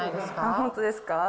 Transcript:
本当ですか？